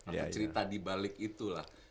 tapi cerita di balik itulah